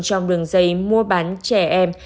trong đường dây mua bán trẻ em